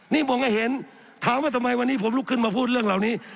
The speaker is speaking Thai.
นี่ผมก็เห็นถามว่าทำไมวันนี้ผมลุกขึ้นมาพูดเรื่องเหล่านี้